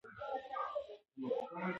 د اېرکنډیشن درجه باید تر دې لوړه نه وي.